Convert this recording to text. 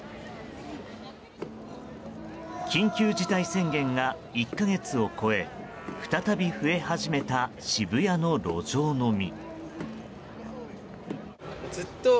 緊急事態宣言が１か月を超え再び増え始めた渋谷の路上飲み。